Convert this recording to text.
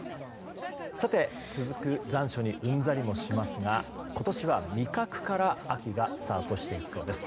続く残暑にうんざりもしますが今年は、味覚から秋がスタートしていきそうです。